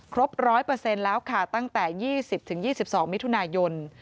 ครบ๑๐๐แล้วค่ะตั้งแต่๒๐๒๒มิถุนายน